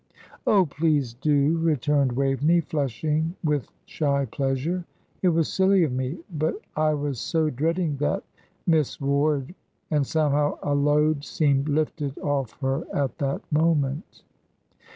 "Oh, please do," returned Waveney, flushing with shy pleasure. "It was silly of me, but I was so dreading that 'Miss Ward;'" and somehow a load seemed lifted off her at that moment.